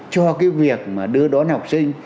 cho cái việc mà đưa đón học sinh